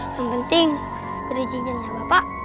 yang penting beri jin jinnya bapak